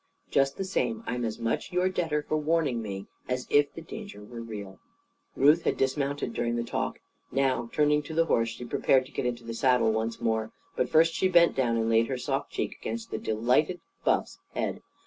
Just the same, I'm as much your debtor for warning me, as if the danger were real." Ruth had dismounted, during the talk. Now, turning to the horse, she prepared to get into the saddle once more. But first she bent down and laid her soft cheek against the delighted Buff's head.